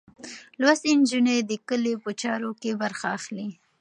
لوستې نجونې د کلي په چارو کې برخه اخلي.